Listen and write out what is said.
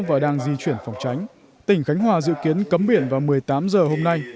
và đang di chuyển phòng tránh tỉnh khánh hòa dự kiến cấm biển vào một mươi tám giờ hôm nay